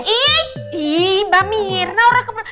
ih mbak mirna orang kemudian